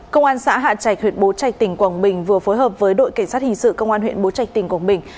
công an xã hạ trạch huyện bố trạch tỉnh quảng bình vừa phối hợp với đội cảnh sát hình sự công an huyện bố trạch tỉnh quảng bình